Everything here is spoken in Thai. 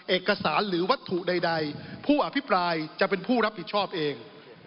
เอกสารหรือวัตถุใดผู้อภิปรายจะเป็นผู้รับผิดชอบเอง